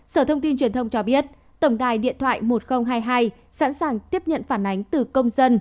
sở thông tin truyền thông cho biết tổng đài điện thoại một nghìn hai mươi hai sẵn sàng tiếp nhận phản ánh từ công dân